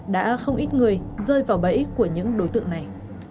đã không ít người rơi vào bẫy của những đối tượng này